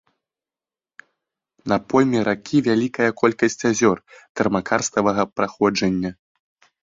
На пойме ракі вялікая колькасць азёр тэрмакарставага паходжання.